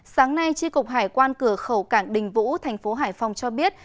sáng nay tri cục hải quan cửa khẩu cảng đình vũ tp hải phòng cho biết